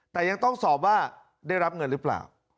แต่ยังต้องสอบว่าได้รับเงินหรือเปล่า